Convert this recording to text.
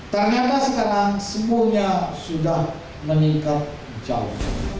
ternyata sekarang semuanya sudah meningkat jauh